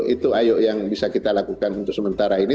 itu ayo yang bisa kita lakukan untuk sementara ini